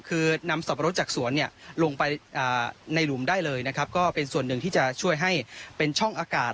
คือนำสับปะรดจากสวนลงไปในหลุมได้เลยนะครับก็เป็นส่วนหนึ่งที่จะช่วยให้เป็นช่องอากาศ